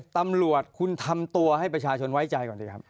ตำรวจคุณทำตัวให้ประชาชนไว้ใจก่อนดีครับ